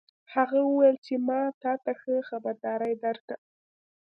هغه وویل چې ما تا ته ښه خبرداری درکړ